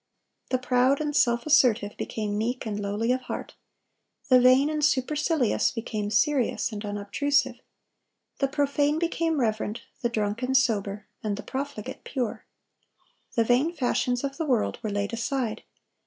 The proud and self assertive became meek and lowly of heart. The vain and supercilious became serious and unobtrusive. The profane became reverent, the drunken sober, and the profligate pure. The vain fashions of the world were laid aside.